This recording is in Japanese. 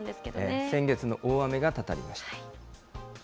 先月の大雨がたたりました。